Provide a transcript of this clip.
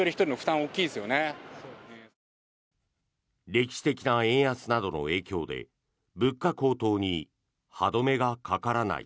歴史的な円安などの影響で物価高騰に歯止めがかからない。